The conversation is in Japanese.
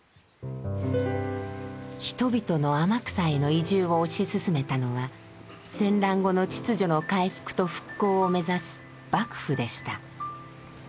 人々の天草への移住を推し進めたのは戦乱後の秩序の回復と復興を目指す幕府でした。